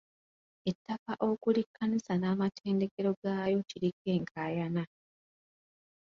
Ettaka okuli kkanisa n'amatendekero gaayo kiriko enkaayana.